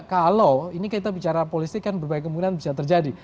kalau ini kita bicara politik kan berbagai kemungkinan bisa terjadi